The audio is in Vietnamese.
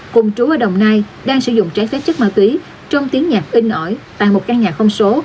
cùng chú ở đồng nai đang sử dụng trái phép chất ma túy trong tiếng nhạc in ỏi tại một căn nhà không số